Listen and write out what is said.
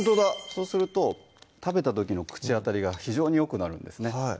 そうすると食べた時の口当たりが非常によくなるんですね